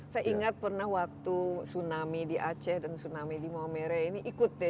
saya ingat pernah waktu tsunami di aceh dan tsunami di maumere ini ikut ya